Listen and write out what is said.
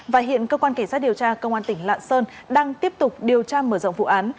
và hiện cơ quan cảnh sát điều tra công an tỉnh lạng sơn đang tiếp tục điều tra mở rộng vụ án